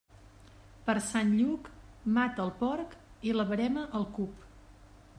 Per Sant Lluc, mata el porc, i la verema al cup.